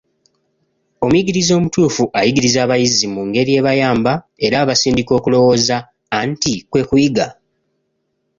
Omuyigiriza omutuufu ayigiriza abayizi mu ngeri ebayamba, era ebasindika okulowooza, anti kwe kuyiga.